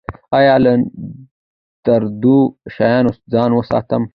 ایا له درندو شیانو ځان وساتم؟